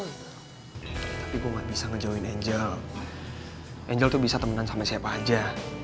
tapi gue gak bisa ngejawain angel angel tuh bisa temenan sama siapa aja